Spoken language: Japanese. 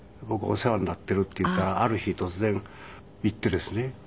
「僕お世話になってる」って言ったらある日突然行ってですね